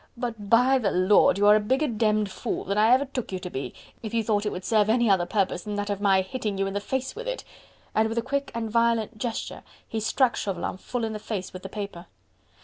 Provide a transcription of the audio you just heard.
But, by the Lord, you are a bigger demmed fool than ever I took you to be, if you thought it would serve any other purpose save that of my hitting you in the face with it." And with a quick and violent gesture he struck Chauvelin full in the face with the paper.